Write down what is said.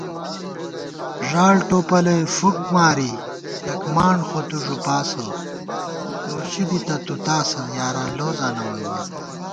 ݫاڑ ٹوپَلَئی فُکماری یَک مانڈ خوتُو ݫُپاسہ * لوشی دِتہ تُو تاسہ یاران لوزاں نہ ووئیمېت